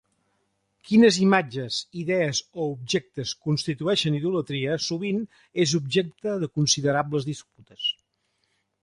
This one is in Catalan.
Quines imatges, idees o objectes constitueixen idolatria sovint és objecte de considerables disputes.